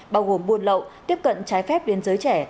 bao gồm buôn lậu tiếp cận trái phép biên giới trẻ